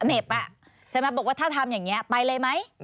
ใช่ไหมบอกว่าถ้าทำอย่างนี้ไปเลยไหม